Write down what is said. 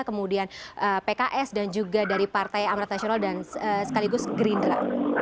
kemudian pks dan juga dari partai amrat nasional dan sekaligus gerindra